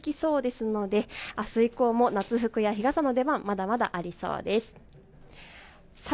まだこの暑さ続きそうですのであす以降も夏服や日傘の出番まだまだありそうです。